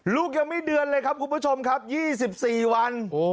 ลูกยังไม่เดือนเลยครับคุณผู้ชมครับ๒๔วัน